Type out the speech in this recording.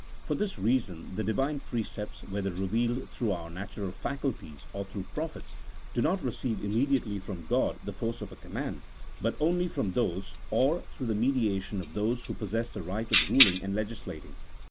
For this reason the Divine precepts, whether revealed through our natural faculties, or through prophets, do not receive immediately from God the force of a command, but only from those, or through the mediation of those, who possess the right of ruling and legislating.